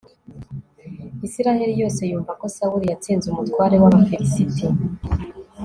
israheli yose yumva ko sawuli yatsinze umutware w'abafilisiti